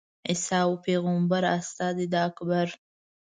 عیسی وو پېغمبر استازی د اکبر.